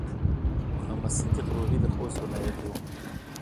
محمد صديق روهي د خوست ولايت و.